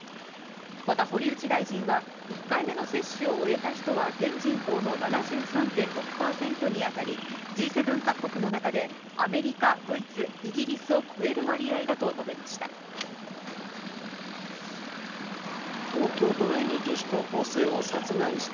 また堀内大臣は１回目の接種を終えた人は全人口の７３．６％に当たり、Ｇ７各国の中でアメリカ、ドイツ、イギリスを超える割合だと述べました。